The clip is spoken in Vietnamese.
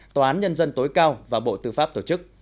tòa án nhân dân tối cao và bộ tư pháp tổ chức